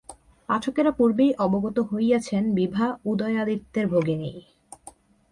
পাঠকেরা পূর্বেই অবগত হইয়াছেন বিভা উদয়াদিত্যের ভগিনী।